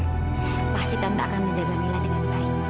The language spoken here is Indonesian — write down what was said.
tante pasti tante akan menjaga mila dengan baik